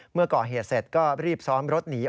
เมื่อก่อเหตุเสร็จก็รีบซ้อนรถหนี